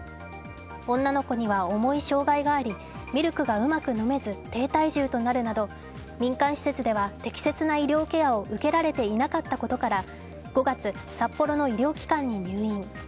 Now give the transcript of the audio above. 女の子には重い障害がありミルクがうまく飲めず低体重となるなど民間施設では適切な医療ケアを受けられていなかったことから５月、札幌の医療機関に入院。